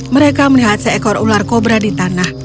mereka melihat seekor ular kobra di tanah